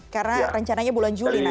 karena rencananya bulan juli nanti